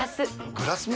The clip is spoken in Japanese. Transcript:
グラスも？